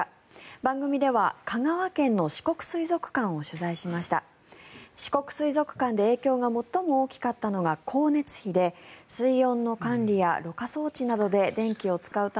番組では香川県の四国水族館を取材しました。